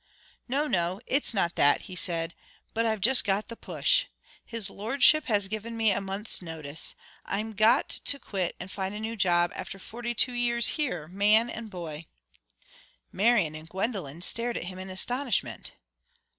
"No, no, it's not that," he said, "but I've just got the push. His lordship has given me a month's notice. I'm got to quit and find a new job, after forty two years here, man and boy." Marian and Gwendolen stared at him in astonishment.